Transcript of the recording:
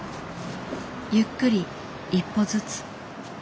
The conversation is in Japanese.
ゆっくり一歩ずつ。